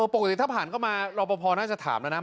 ปกติถ้าผ่านเข้ามารอบพอพ์ที่อคะจะถามนะนะ